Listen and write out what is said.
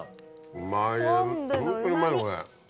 うまいホントにうまいこれ。